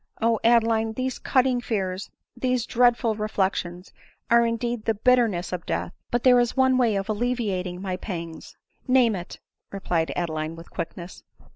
O Adeline ! these cutting fears, these dreadful reflections, are indeed the bitter ness of death ; but there is one way of alleviating my pangs." " Name it," replied Adeline with quickness.